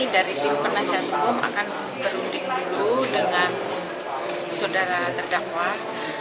dari tim penasihat hukum akan berunding dulu dengan saudara terdakwa